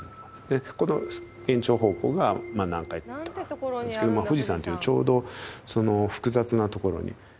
でこの延長方向が南海トラフなんですけども富士山ってちょうど複雑な所に。